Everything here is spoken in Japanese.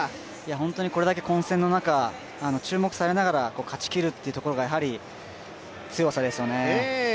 本当にこれだけ混戦の中、注目されながら勝ちきるというところがやはり強さですよね。